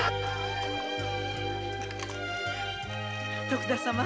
徳田様